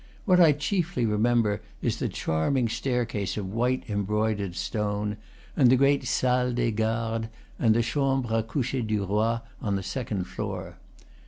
What I chiefly remember is the charming staircase of white embroidered stone, and the great salle des gardes and chambre a coucher du roi on the second floor.